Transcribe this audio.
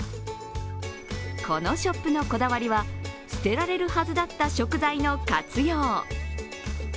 このショップのこだわりは、捨てられるはずだった食材の活用。